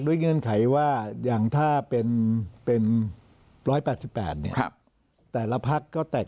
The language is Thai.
เงื่อนไขว่าอย่างถ้าเป็น๑๘๘เนี่ยแต่ละพักก็แตก